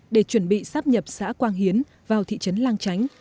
để chuẩn bị sắp nhập xã quang hiến vào thị trấn lang chánh